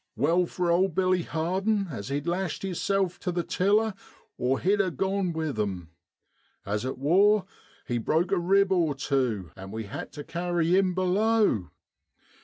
Well for old Billy Har den as he'd lashed hisself tu the tiller, or he'd a gone with 'em. As it wor, he'd broke a rib or tew, an' we had tu carry 'im below.